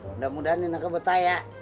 mudah mudahan ineke betah ya